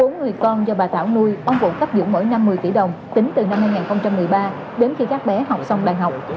bốn người con do bà thảo nuôi ông quận cấp dưỡng mỗi năm một mươi tỷ đồng tính từ năm hai nghìn một mươi ba đến khi các bé học xong đại học